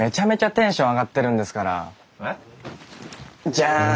じゃん！